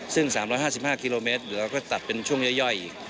ซึ่งสามร้อยห้าสิบห้าคิโลเมตรเราก็ตัดเป็นช่วงย่อยอีก